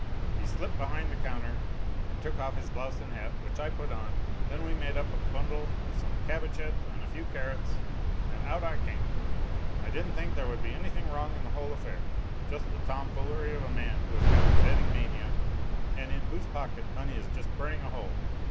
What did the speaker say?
He slipped behind the counter and took off his blouse and hat, which I put on. Then we made up a bundle with some cabbage heads and a few carrots, and out I came. I didn't think there could be anything wrong in the whole affair just the tomfoolery of a man who has got the betting mania and in whose pocket money is just burning a hole.